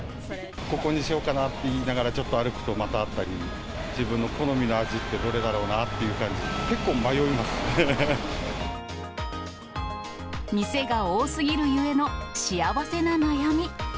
ここにしようかなって言いながら、ちょっと歩くとまたあったり、自分の好みの味ってどれだろうな店が多すぎるゆえの幸せな悩み。